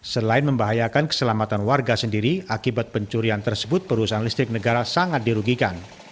selain membahayakan keselamatan warga sendiri akibat pencurian tersebut perusahaan listrik negara sangat dirugikan